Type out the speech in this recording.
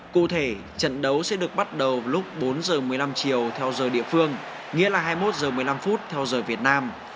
cụ thể trận đấu sẽ được bắt đầu lúc bốn h một mươi năm chiều theo giờ địa phương nghĩa là hai mươi một h một mươi năm theo giờ việt nam